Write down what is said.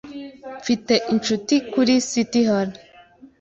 Mfite inshuti kuri City Hall.